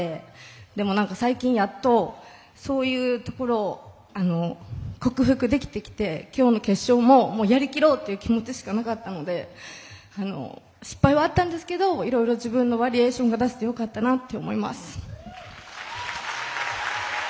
でも、最近やっとそういうところを克服できてきて今日の決勝もやりきろうっていう気持ちしかなかったので失敗はあったんですけどいろいろ自分のバリエーションが出せてよかったなと思います。